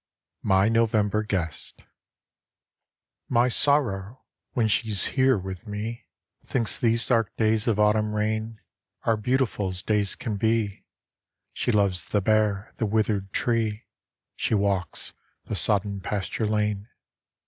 My November Guest MY Sorrow, when she's here with me, Thinks these dark days of autumn rain Are beautiful as days can be; She loves the bare, the withered tree; She walks the sodden pasture lane.